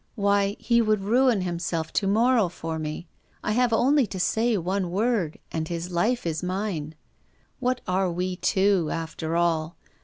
" Why, he would ruin himself to morrow for me. I have only to say one word and his life is mine. What are we two, after all?